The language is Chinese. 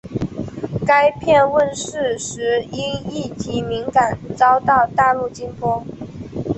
该片问世时因议题敏感遭到大陆禁播。